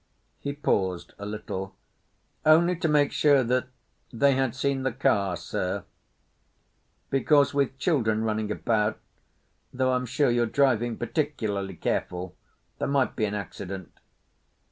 He paused a little. "Only to make sure that—that they had seen the car, Sir, because with children running about, though I'm sure you're driving particularly careful, there might be an accident.